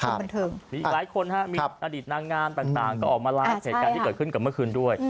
คนบันเทิงมีอีกหลายคนฮะมีอดีตนางงามต่างก็ออกมาไลฟ์เหตุการณ์ที่เกิดขึ้นกับเมื่อคืนด้วย